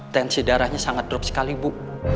tensi darahnya sangat drop sekali bu